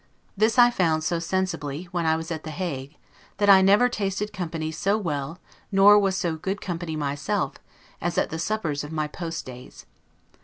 This I found so sensibly, when I was at The Hague, that I never tasted company so well nor was so good company myself, as at the suppers of my post days.